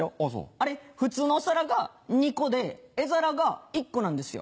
あれ普通のお皿が２個で絵皿が１個なんですよ。